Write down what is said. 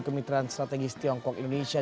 kemitraan strategis tiongkok indonesia